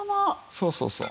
そうそうそう。